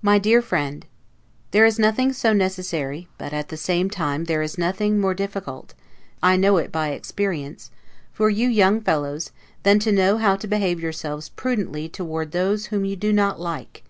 MY DEAR FRIEND: There is nothing so necessary, but at the same time there is nothing more difficult (I know it by experience) for you young fellows, than to know how to behave yourselves prudently toward those whom you do not like.